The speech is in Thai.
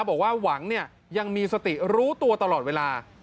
บอกว่าหวังเนี่ยยังมีสติรู้ตัวตลอดเวลา